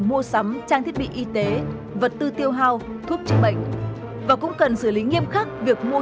mua sắm trang thiết bị y tế vật tư tiêu hao thuốc chữa bệnh và cũng cần xử lý nghiêm khắc việc mua